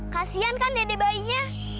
kasian kan dede bayinya